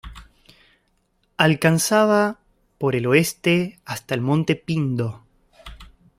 Alcanzaba por el oeste hasta el monte Pindo.